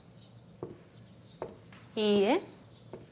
いいえ。